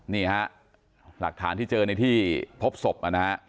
นี่ฮะหลักฐานที่เจอในที่พบศพนะฮะ